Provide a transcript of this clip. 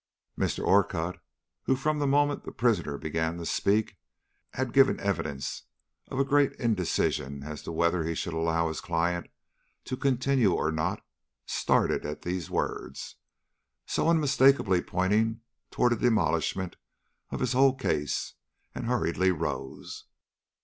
Mr. Orcutt, who, from the moment the prisoner began to speak, had given evidences of a great indecision as to whether he should allow his client to continue or not, started at these words, so unmistakably pointing toward a demolishment of his whole case, and hurriedly rose.